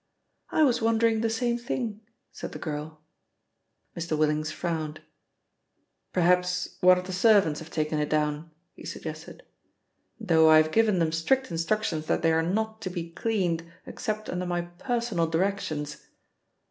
"I was wondering the same thing," said the girl. Mr. Willings frowned. "Perhaps one of the servants have taken it down," he suggested. "Though I have given them strict instructions that they are not to be cleaned except under my personal directions."